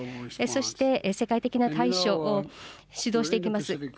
そして世界的な対処を主導していきます。